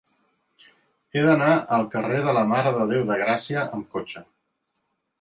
He d'anar al carrer de la Mare de Déu de Gràcia amb cotxe.